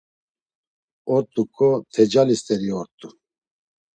Ort̆uǩo… Tecali st̆eri ort̆u.